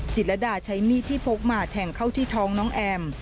จิตรดาใช้มีดที่พกมาแทงเข้าที่ท้องน้องแอม